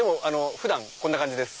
普段こんな感じです。